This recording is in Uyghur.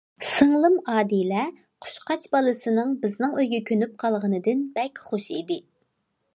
سىڭلىم ئادىلە قۇشقاچ بالىسىنىڭ بىزنىڭ ئۆيگە كۆنۈپ قالغىنىدىن بەك خۇش ئىدى.